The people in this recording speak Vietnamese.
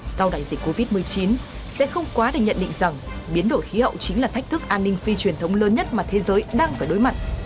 sau đại dịch covid một mươi chín sẽ không quá để nhận định rằng biến đổi khí hậu chính là thách thức an ninh phi truyền thống lớn nhất mà thế giới đang phải đối mặt